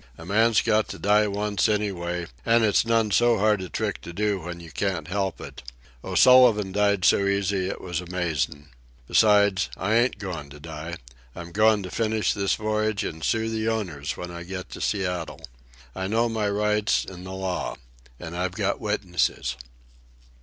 A man's got to die once anyway, an' it's none so hard a trick to do when you can't help it. O'Sullivan died so easy it was amazin'. Besides, I ain't goin' to die. I'm goin' to finish this voyage, an' sue the owners when I get to Seattle. I know my rights an' the law. An' I got witnesses."